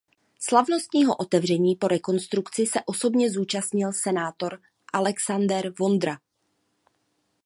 Slavnostního otevření po rekonstrukci se osobně zúčastnil senátor Alexander Vondra.